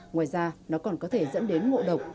ngoài ra nó còn có thể dẫn đến ngộ độc